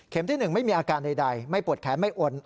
เข็มที่๑ไม่มีอาการใดไม่ปวดแข็งไม่อ่อน